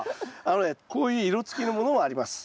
あのねこういう色つきのものもあります。